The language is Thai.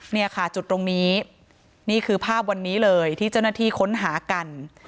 เนี่ยค่ะจุดตรงนี้นี่คือภาพวันนี้เลยที่เจ้าหน้าที่ค้นหากัน